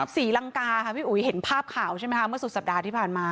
ศรีลังกาค่ะพี่อุ๋ยเห็นภาพข่าวใช่ไหมคะเมื่อสุดสัปดาห์ที่ผ่านมา